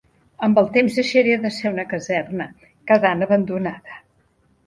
Amb el temps deixaria de ser una caserna, quedant abandonada.